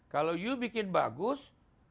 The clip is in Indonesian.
kalau anda membuat yang bagus